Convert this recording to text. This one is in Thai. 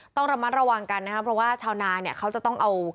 ต้องระมัดระวังกันนะครับเพราะว่าชาวนาเนี่ยเขาจะต้องเอา